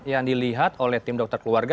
yang dilihat oleh tim dokter keluarga